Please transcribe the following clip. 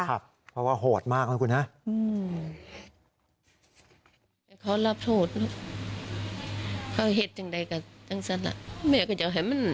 เพราะว่าโหดมากนะคุณฮะ